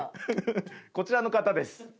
こちらの方です。